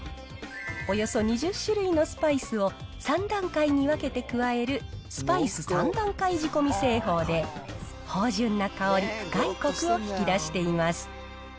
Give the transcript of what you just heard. およそ２０種類のスパイスを３段階に分けて加えるスパイス３段階仕込み製法で、芳醇な香り、深いこくを引き出しています。